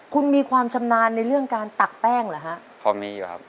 คุณมีความชำนาญในเรื่องการตักแป้งเหรอฮะพอมีอยู่ครับ